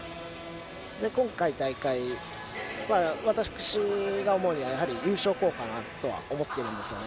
今大会、私が思うにはやはり優勝候補だとは思ってるんですよね。